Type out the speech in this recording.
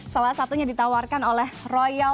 salah satunya ditawarkan oleh royal